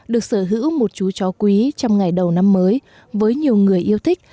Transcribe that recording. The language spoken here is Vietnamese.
được sở hữu một chú chó quý trong ngày đầu năm mới với nhiều người yêu thích